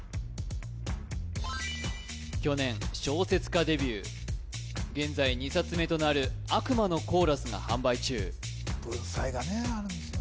去年小説家デビュー現在２冊目となる「悪魔のコーラス」が販売中文才がねあるんですよ